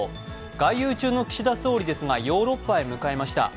外遊中の岸田総理ですがヨーロッパへ向かいました。